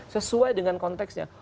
sesuai dengan konteksnya